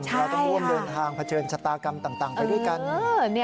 เราต้องร่วมเดินทางเผชิญชะตากรรมต่างไปด้วยกัน